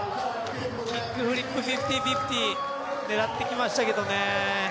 キックフリップ５０−５０狙ってきましたけどね。